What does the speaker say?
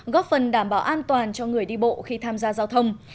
góp phần đảm bảo an toàn cho người đi bộ khi tham gia giao thông